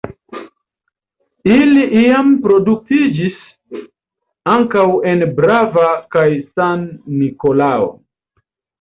Ili iam reproduktiĝis ankaŭ en Brava kaj San-Nikolao.